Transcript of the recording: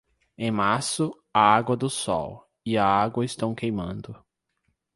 Em março, a água do sol e a água estão queimando.